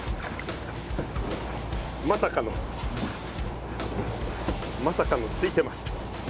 まさかのまさかのついてました。